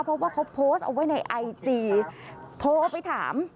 เพราะว่าเขาโพสต์เอาไว้ในไอจีโทรไปถาม